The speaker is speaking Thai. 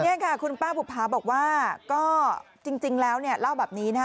นี่ค่ะคุณป้าบุภาบอกว่าก็จริงแล้วเนี่ยเล่าแบบนี้นะคะ